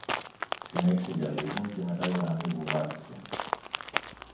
Συνέχισε για λίγο και μετά η γραμμή βουβάθηκε